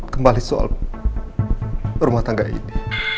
kembali soal rumah tangga ini